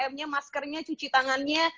tiga m nya maskernya cuci tangannya